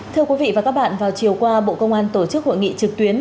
thưa quý vị và các bạn vào chiều qua bộ công an tổ chức hội nghị trực tuyến